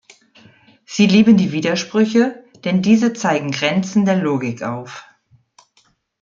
Sie lieben die Widersprüche, denn diese zeigen Grenzen der Logik auf.